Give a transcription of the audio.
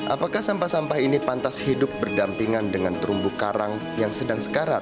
apakah sampah sampah ini pantas hidup berdampingan dengan terumbu karang yang sedang sekarat